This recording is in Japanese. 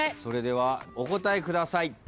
それではお答えください。